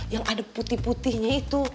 yang ada putih putihnya itu